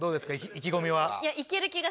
意気込みは。